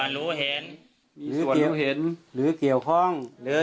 หรือเกี่ยวข้อง